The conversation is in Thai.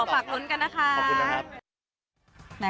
ฝากลุ้นกันนะคะ